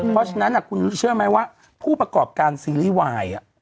เพราะฉะนั้นคุณเชื่อไหมว่าผู้ประกอบการซีรีส์วาย